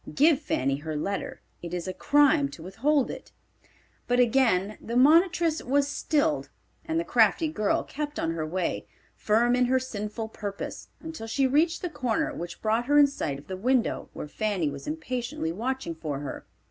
Give Fanny her letter. It is a crime to withhold it." But again the monitress was stilled, and the crafty girl kept on her way, firm in her sinful purpose, until she reached the corner which brought her in sight of the window where Fanny was impatiently watching for her.